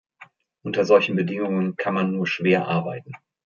Unter solchen Bedingungen kann man nur schwer arbeiten.